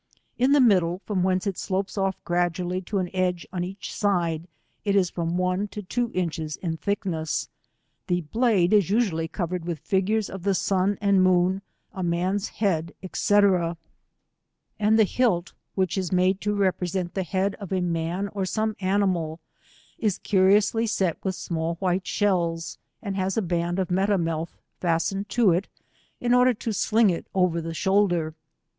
In the middle, from whence it slopes off gradually to an edge on each side, it is from one to two inches in thickness. This blade is usually covered with figures jof the sun and moon, a man^s head, &c, and the hilt, which is made to represent the head of a man or some animal, is curiously set with amall white shells, and has a band of metameltk 09 fastened lo it in order to sliug it over the ahoulder.